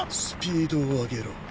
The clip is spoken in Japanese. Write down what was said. スピードを上げろ。